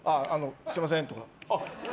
すみません！とか。